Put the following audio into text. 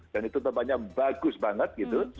dan itu tempatnya bagus banget gitu